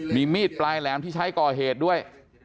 มีมีดปลายแหลมที่ใช้ก่อเหตุด้วย